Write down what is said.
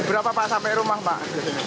berapa pak sampai rumah pak